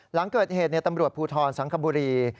หลังเกิดเหตุตำรวจภูทรสังคบุรี